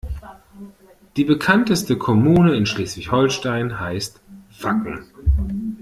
Die bekannteste Kommune in Schleswig-Holstein heißt Wacken.